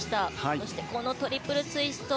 そして、このトリプルツイスト。